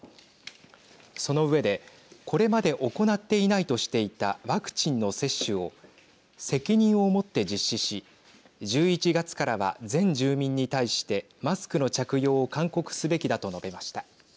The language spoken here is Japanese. その上でこれまで行っていないとしていたワクチンの接種を責任をもって実施し１１月からは全住民に対してマスクの着用を勧告すべきだと述べました。